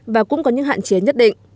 và cũng có những hạn chế nhất định